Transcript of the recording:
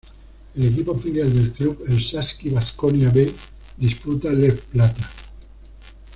El equipo filial del club, el Saski Baskonia "B", disputa Leb Plata.